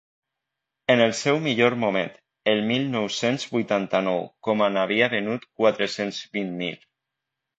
En el seu millor moment, el mil nou-cents vuitanta-nou coma n’havia venut quatre-cents vint mil.